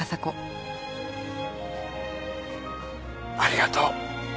ありがとう。